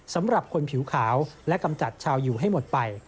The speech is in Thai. สำหรับคนผิวขาวและกำจัดชาวอยู่ให้หมดไป